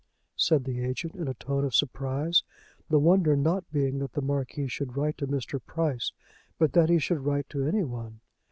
said the agent in a tone of surprise, the wonder not being that the Marquis should write to Mr. Price, but that he should write to any one.